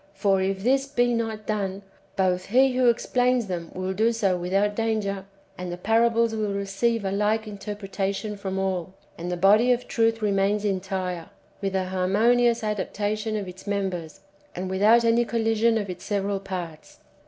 For, if this be not done, both he who explains them will do so without danger, and the parables will receive a like interpretation from all, and the body^ of truth remains entire, with a harmonious adaptation of its members, and without any collision [of its several parts].